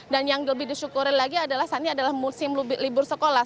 dan yang lebih disyukuri lagi adalah saat ini adalah musim libur sekolah